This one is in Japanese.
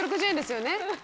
６６０円ですよね。